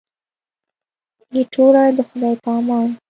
ایټوره د خدای په امان.